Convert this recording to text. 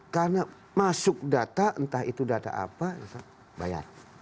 karena masuk data entah itu data apa entah bayar